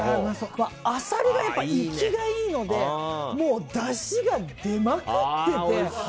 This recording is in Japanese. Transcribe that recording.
アサリがやっぱり生きがいいのでだしが出まくってて。